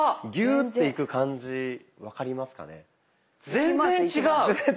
ギューッていく感じ分かりますかね。